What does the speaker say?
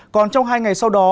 còn trong hai ngày sau đó